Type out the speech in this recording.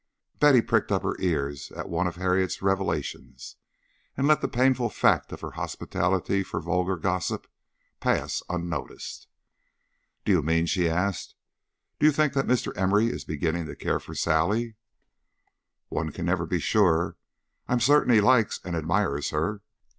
Betty pricked up her ears at one of Harriet's revelation, and let the painful fact of her hospitality for vulgar gossip pass unnoticed. "Do you mean," she asked, "do you think that Mr. Emory is beginning to care for Sally?" "One can never be sure. I am certain he likes and admires her."